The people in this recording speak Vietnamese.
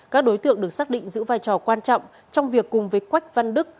các đối tượng được xác định giữ vai trò quan trọng trong việc cùng với quách văn đức